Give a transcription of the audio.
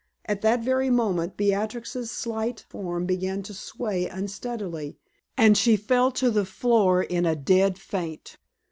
At that very moment Beatrix's slight form began to sway unsteadily, and she fell to the floor in a dead faint.